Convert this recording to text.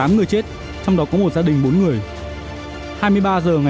tám người chết trong đó có một gia đình bốn người